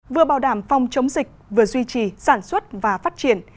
vừa bảo đảm phòng chống dịch vừa duy trì sản xuất và phát triển